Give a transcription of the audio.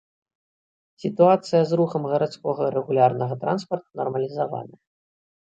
Сітуацыя з рухам гарадскога рэгулярнага транспарту нармалізаваная.